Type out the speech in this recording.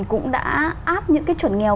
cũng đã áp những cái chuẩn nghèo